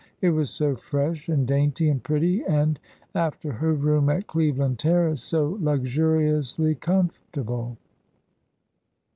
It was so fresh, and dainty, and pretty, and, after her room at Cleveland Terrace, so luxuriously comfortable.